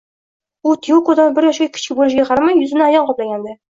U Tiyokodan bir yoshga kichik bo`lishiga qaramay, yuzini ajin qoplagandi